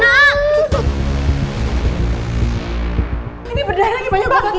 ambil peti kakak sebentar sekarang